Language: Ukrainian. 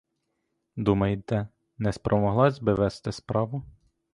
Думаєте, не спромоглась би вести справу?